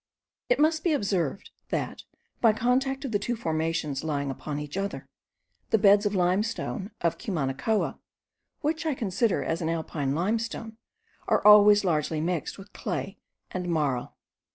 It must be observed, that, by contact of the two formations lying upon each other, the beds of the limestone of Cumanacoa, which I consider as an Alpine limestone, are always largely mixed with clay and marl.